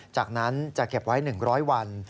จากนั้นจะเก็บไว้๑๐๐วัน